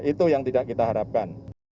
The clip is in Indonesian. itu yang tidak kita harapkan